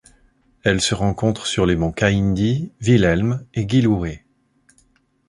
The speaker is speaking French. Elle se rencontre sur les monts Kaindi, Wilhelm et Giluwe.